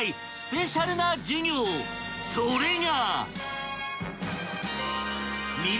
［それが］